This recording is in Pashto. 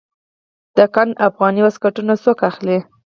د ګنډ افغاني واسکټونه څوک اخلي؟